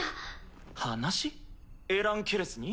エラン・ケレスに？